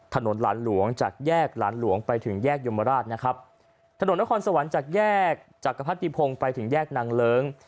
ถนนหลานหลวงจากแยกหลานหลวงไปถึงแยกยมราชนะครับถนนนครสวรรค์จากแยกจักรพรรติพงศ์ไปถึงแยกนางเลิ้ง